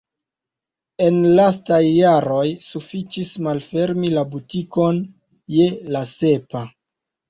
En la lastaj jaroj sufiĉis malfermi la butikon je la sepa.